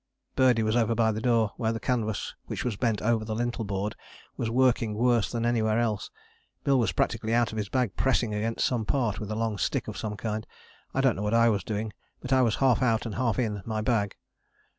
Birdie was over by the door, where the canvas which was bent over the lintel board was working worse than anywhere else. Bill was practically out of his bag pressing against some part with a long stick of some kind. I don't know what I was doing but I was half out of and half in my bag.